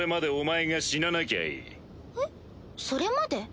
「それまで」？